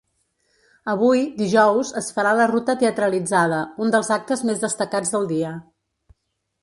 Avui, dijous, es farà la ruta teatralitzada, un dels actes més destacats del dia.